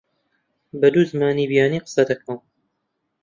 بە دوو زمانی بیانی قسە دەکەم.